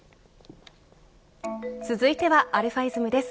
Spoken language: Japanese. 続いてはαｉｓｍです。